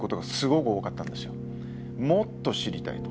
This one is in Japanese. もっと知りたいと。